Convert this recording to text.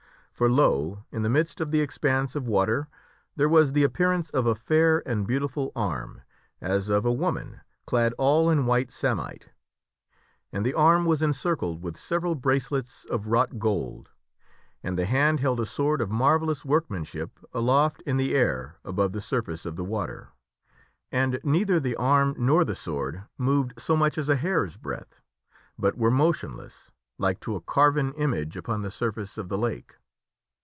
For, lo ! in the midst of the expanse of water there was the appearance of a fair and beautiful arm, as of a woman, clad all in white samite. And the arm was encircled with several bracelets of wrought gold ; and the hand held a sword of marvellous work manship aloft in the air above the surface of the water; and neither the arm nor the sword moved so much as a hair's breadth, but were motionless like to a carven image upon the surface of the lake.